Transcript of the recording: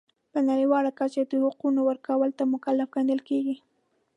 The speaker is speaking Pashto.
په نړیواله کچه د حقونو ورکولو ته مکلف ګڼل کیږي.